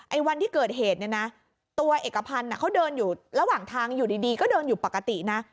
วันที่เกิดเหตุเนี่ยนะตัวเอกพันธ์เขาเดินอยู่ระหว่างทางอยู่ดีก็เดินอยู่ปกตินะ